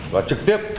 và trực tiếp